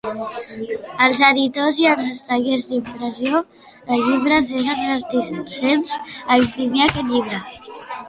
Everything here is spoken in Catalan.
Els editors i els tallers d'impressió de llibres eren reticents a imprimir aquest llibre.